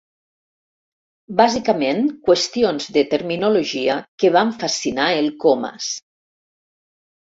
Bàsicament, qüestions de terminologia que van fascinar el Comas.